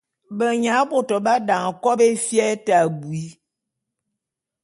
Benya bôto b’adane kòbo éfia te abui.